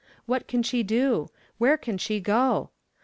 What can she do? Where can she go?